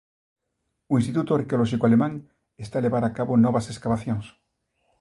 O Instituto Arqueolóxico Alemán está a levar a cabo novas escavacións.